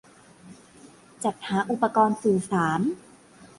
-จัดหาอุปกรณ์สื่อสาร